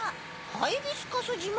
ハイビスカスじま？